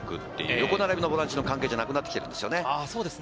横並びのボランチの関係じゃなくなってきているんですね。